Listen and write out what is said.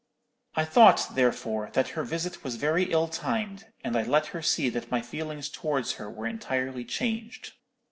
I thought, therefore, that her visit was very ill timed, and I let her see that my feelings towards her were entirely changed.